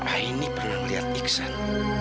aini pernah melihat iksan